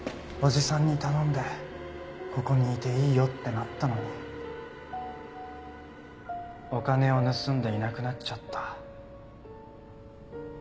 叔父さんに頼んでここにいていいよってなったのにお金を盗んでいなくなっちゃった。